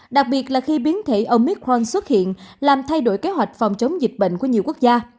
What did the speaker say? đặc biệt là khi biến thể ông michon xuất hiện làm thay đổi kế hoạch phòng chống dịch bệnh của nhiều quốc gia